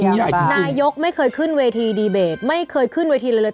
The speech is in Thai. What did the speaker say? นายกไม่เคยขึ้นเวทีดีเบตไม่เคยขึ้นเวทีอะไรเลย